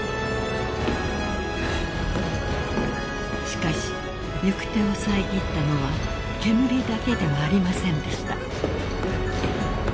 ［しかし行く手を遮ったのは煙だけではありませんでした］